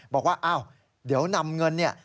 บอกว่าอ้าวเดี๋ยวนำเงินเนี่ย